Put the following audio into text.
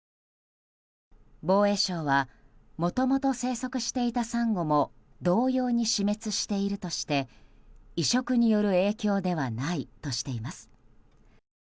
防衛省はもともと生息していたサンゴも同様に死滅しているとして移植による影響ではないとしています。